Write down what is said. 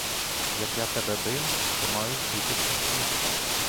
Як я тебе бив, то мають бути синці.